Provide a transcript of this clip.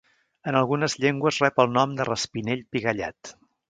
En algunes llengües rep el nom de Raspinell pigallat.